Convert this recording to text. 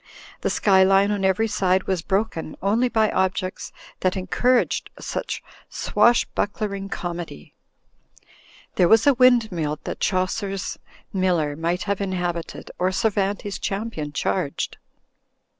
The skyline on every side was broken only by objects that encouraged such swashbucklering 198 THE FLYING INN comedy. There was a windmill that Chaucer's MU ler might have inhabited or Cervantes' champion charged.